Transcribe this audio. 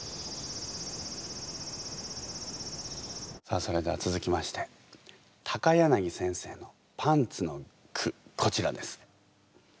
さあそれでは続きまして柳先生のパンツの句こちらです。